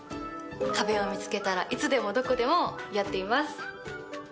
壁を見つけたらいつでもどこでもやっています。